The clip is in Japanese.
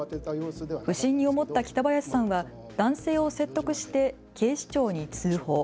不審に思った北林さんは男性を説得して警視庁に通報。